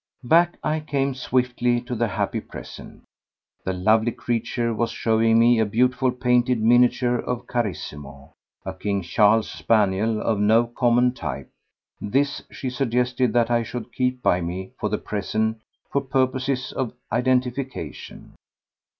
Back I came swiftly to the happy present. The lovely creature was showing me a beautifully painted miniature of Carissimo, a King Charles spaniel of no common type. This she suggested that I should keep by me for the present for purposes of identification.